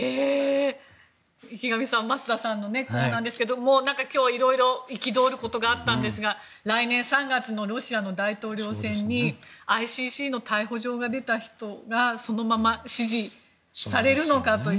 池上さん、増田さんのコーナーですが今日はいろいろと憤ることがありましたが来年３月のロシアの大統領選にＩＣＣの逮捕状が出た人がそのまま支持されるのかという。